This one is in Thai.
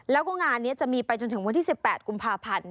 แล้วก็งานนี้จะมีไปจนถึงวันที่๑๘กุมภาพันธ์